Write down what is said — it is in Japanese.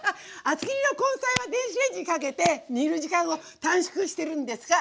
厚切りの根菜は電子レンジにかけて煮る時間を短縮してるんですか？